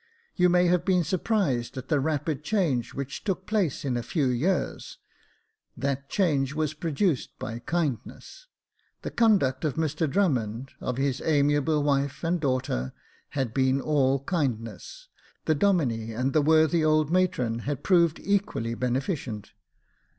You may have been surprised at the rapid change which took place in a few years ; that change was produced by kindness. The conduct of Mr Drummond, of his amiable wife and daughter, had been all kindness ; the Domine and the worthy old matron had proved equally beneficent.